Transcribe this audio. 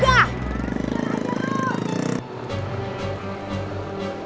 jalan aja lu